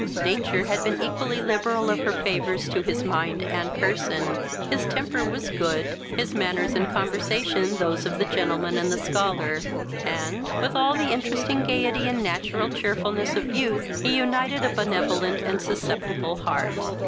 Nature had been equally liberal of her favours to his mind and person: his temper was good, his manners and conversation those of the gentleman and the scholar, and, with all the interesting gaiety and natural cheerfulness of youth, he united a benevolent and susceptible heart.